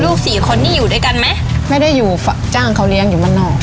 สี่คนนี้อยู่ด้วยกันไหมไม่ได้อยู่จ้างเขาเลี้ยงอยู่บ้านนอก